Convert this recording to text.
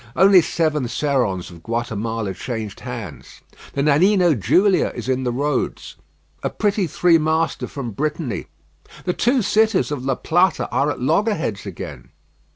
Only seven serons of Guatemala changed hands. The Nanino Julia is in the roads; a pretty three master from Brittany. The two cities of La Plata are at loggerheads again.